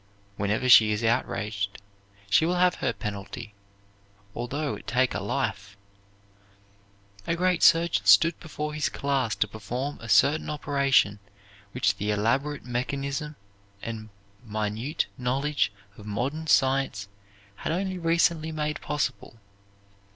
Whenever she is outraged she will have her penalty, although it take a life. A great surgeon stood before his class to perform a certain operation which the elaborate mechanism and minute knowledge of modern science had only recently made possible.